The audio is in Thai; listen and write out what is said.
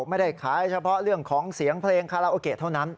ไม่ได้ขายเฉพาะเรื่องของเสียงเพลงคาราโอเกะเท่านั้น